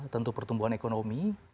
tentu pertumbuhan ekonomi